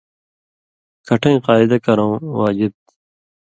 کھَٹیں قاعدہ کرٶں واجب تھی۔